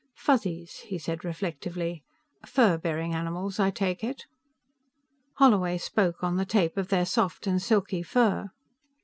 Fuzzies," he said reflectively. "Fur bearing animals, I take it?" "Holloway spoke, on the tape, of their soft and silky fur."